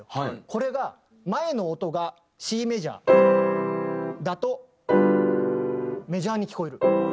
これが前の音がＣメジャーだとメジャーに聞こえる。